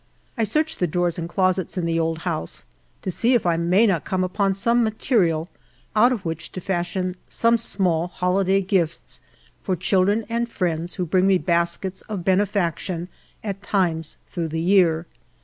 I search the drawers and closets in the old house to see if I may not come upon some material out of which to fashion some small holiday gifts for children and friends who bring me baskets of benefaction at times through the year.